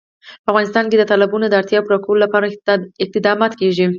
په افغانستان کې د تالابونه د اړتیاوو پوره کولو لپاره اقدامات کېږي.